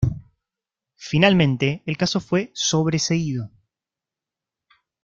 Finalmente el caso fue sobreseído.